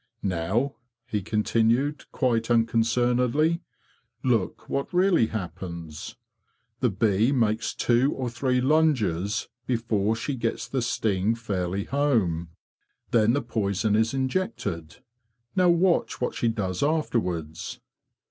" Now," he continued, quite unconcernedly, "look what really happens. The bee makes two or three lunges before she gets the sting fairly A TWENTIETH CENTURY BEE FARMER 33 home. Then the poison is injected. Now watch what she does afterwards.